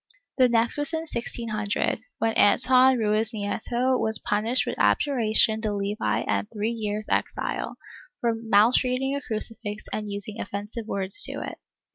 The next was in 1600, when Anton Ruiznieto was punished with abjuration de levi and three years' exile, for mal treating a crucifix and using offensive words to it.